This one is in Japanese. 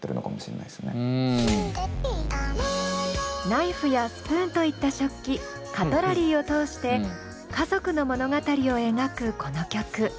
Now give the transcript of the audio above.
ナイフやスプーンといった食器カトラリーを通して家族の物語を描くこの曲。